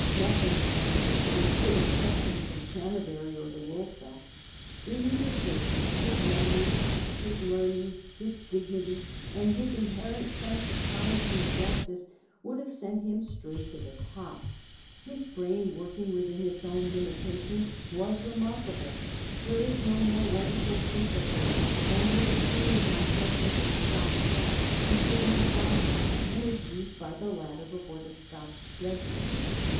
Nothing, one would think, could have kept him from Canterbury or from the Woolsack. In either case his memory, his learning, his dignity, and his inherent sense of piety and justice, would have sent him straight to the top. His brain, working within its own limitations, was remarkable. There is no more wonderful proof of this than his opinions on questions of Scotch law, as given to Boswell and as used by the latter before the Scotch judges.